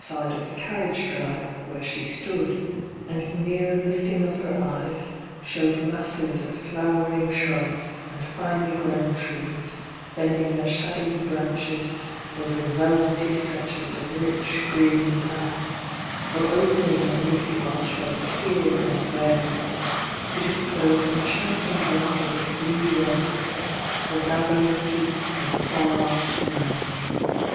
side of the carriage drive where she stood, and the mere lifting of her eyes showed masses of flowering shrubs and finely grown trees bending the r shadowy branches over velvety stretches of rich green grass, or opening in leafy archways here and there to disclose enchantins glimpses of blue water or dazzling peaks of far off snow.